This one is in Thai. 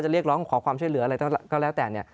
เรียกร้องขอความช่วยเหลืออะไรก็แล้วแต่เนี่ย